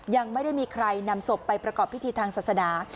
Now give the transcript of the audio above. ยังไม่ได้มีใครนำศพไปประกอบพิธีทางศาสนา